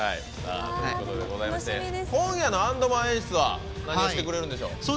今夜のａｎｄｍｏｒｅ演出は何をしてくれるんでしょう？